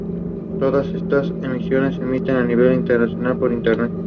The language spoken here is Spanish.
Todas estas emisoras emiten a nivel internacional por internet.